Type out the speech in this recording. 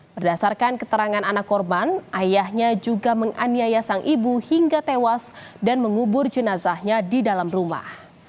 berdasarkan keterangan anak korban ayahnya juga menganiaya sang ibu hingga tewas dan mengubur jenazahnya di dalam rumah